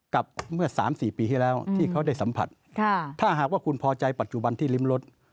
กับเมื่อ๓๔ปีที่แล้วที่เขาได้สัมผัสถ้าหากว่าคุณพอใจปัจจุบันที่ริมรถ